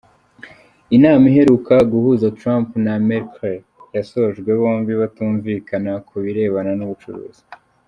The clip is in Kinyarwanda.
Inama iheruka guhuza Trump na Merkel yasojwe bombi batumvikana ku birebana n’ubucuruzi.